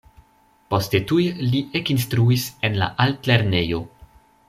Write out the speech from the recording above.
Poste tuj li ekinstruis en la Altlernejo.